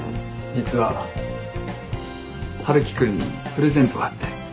実は春樹君にプレゼントがあって。